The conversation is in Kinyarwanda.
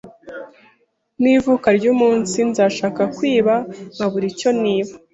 N' ivuka ry' umunsi nzashaka kwiba nkabura icyo niba